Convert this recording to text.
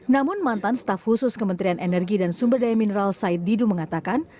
namun mantan staf khusus kementerian energi dan sumber daya mineral said didu mengatakan